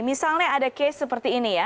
misalnya ada case seperti ini ya